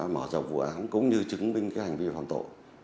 mở rộng vụ án cũng như chứng minh hành vi phạm tội